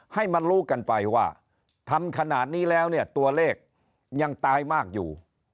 ให้มันรู้กันไปว่าทำขนาดนี้แล้วเนี่ยตัวเลขยังตายมากอยู่